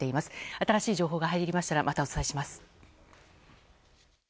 新しい情報が入りましたらまたお伝えします。